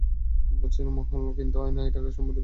বুঝছি মহল, কিন্তু, - আইনে এইটাকে সম্পত্তি বলে।